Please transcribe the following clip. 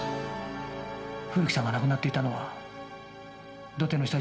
古木さんが亡くなっていたのは土手の下じゃありません。